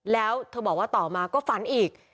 แล้วเธอบอกว่าต่อมาก็ฝันอีก